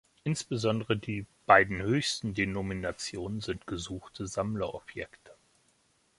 Insbesondere die beiden höchsten Denominationen sind gesuchte Sammlerobjekte.